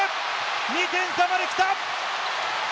２点差まで来た！